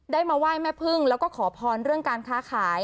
มาไหว้แม่พึ่งแล้วก็ขอพรเรื่องการค้าขาย